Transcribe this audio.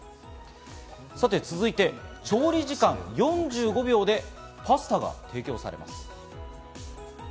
続いて、調理時間４５秒でパスタが提供されます。